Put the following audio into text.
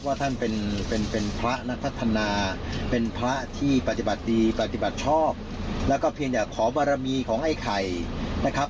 ท่านเป็นเป็นพระนักพัฒนาเป็นพระที่ปฏิบัติดีปฏิบัติชอบแล้วก็เพียงอยากขอบารมีของไอ้ไข่นะครับ